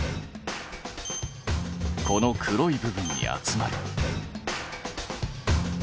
この黒い部分に集まる。